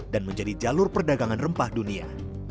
dan menjadi jalur perdagangan rempah dunia